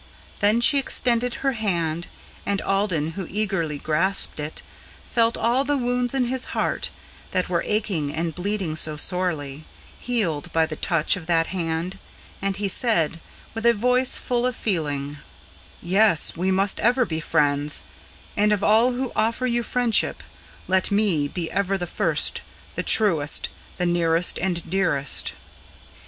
Then she extended her hand, and Alden, who eagerly grasped it, Felt all the wounds in his heart, that were aching and bleeding so sorely, Healed by the touch of that hand, and he said, with a voice full of feeling: "Yes, we must ever be friends; and of all who offer you friendship Let me be ever the first, the truest, the nearest and dearest!"